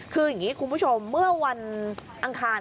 คืออย่างนี้คุณผู้ชมเมื่อวันอังคาร